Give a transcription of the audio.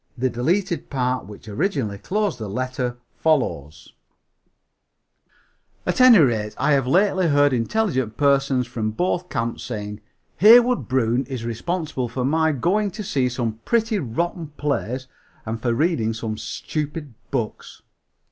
The deleted part which originally closed the letter follows: "At any rate I have lately heard intelligent persons from both camps saying, 'Heywood Broun is responsible for my going to see some pretty rotten plays and for reading some stupid books.'